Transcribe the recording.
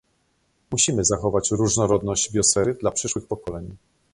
Musimy zachować różnorodność biosfery dla przyszłych pokoleń